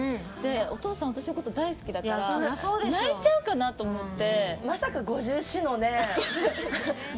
お父さん私のこと大好きだから泣いちゃうかなと思って。